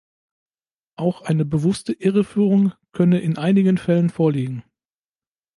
Auch eine bewusste Irreführung könne in einigen Fällen vorliegen.